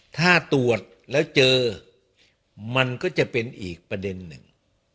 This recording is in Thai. ถ้าตรวจแล้วเจอมันก็จะเป็นอีกประเด็นหนึ่ง